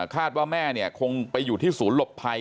คาดว่าแม่เนี่ยคงไปอยู่ที่ศูนย์หลบภัย